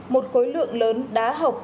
một khối lượng lớn đá hộc